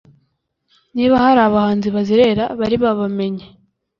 niba hari abahanzi bazerera bari babamenye